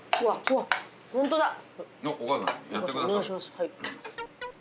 はい。